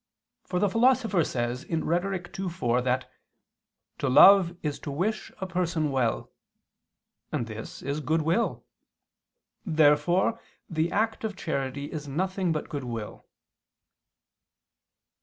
For the Philosopher says (Rhet. ii, 4) that "to love is to wish a person well"; and this is goodwill. Therefore the act of charity is nothing but goodwill.